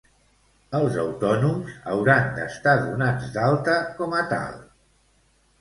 Els autònoms hauran d'estar donats d'alta com a tal.